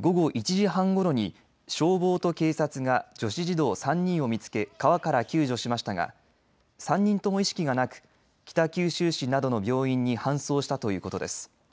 午後１時半ごろに消防と警察が女子児童３人を見つけ川から救助しましたが３人とも意識がなく北九州市などの病院に搬送したということです。